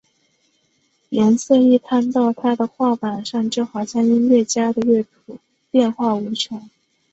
颜色一摊到他的画板上就好像音乐家的乐谱变化无穷！